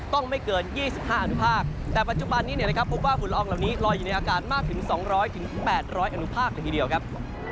ไม่เกิน๒๕อนุภาคแต่ปัจจุบันนี้นะครับพบว่าฝุ่นละอองเหล่านี้ลอยอยู่ในอากาศมากถึง๒๐๐๘๐๐อนุภาคเลยทีเดียวครับ